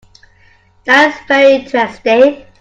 That is very interesting.